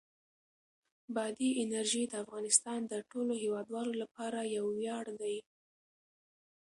بادي انرژي د افغانستان د ټولو هیوادوالو لپاره یو ویاړ دی.